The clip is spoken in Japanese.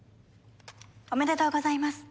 おめでとうございます。